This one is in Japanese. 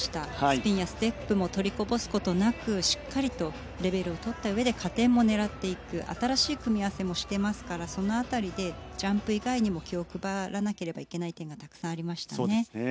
スピンやステップも取りこぼすことなくしっかりとレベルをとったうえで加点も狙っていく新しい組み合わせもしていますからその辺りでジャンプ以外にも気を配らなければいけない点がたくさんありましたね。